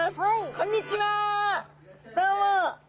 こんにちは。